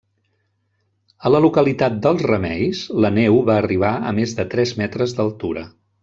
A la localitat d'Els Remeis la neu va arribar a més de tres metres d'altura.